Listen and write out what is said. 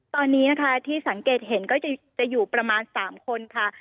ตอนนี้นะคะที่สังเกตเห็นก็จะอยู่ประมาณ๓คนค่ะ